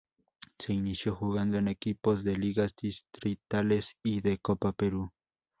Se inició jugando en equipos de ligas distritales y de Copa Perú.